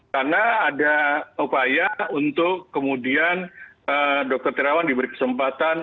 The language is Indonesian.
karena ada upaya untuk kemudian dr tirawan diberi kesempatan